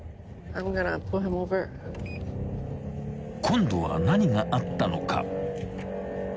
［今度は何があったのか］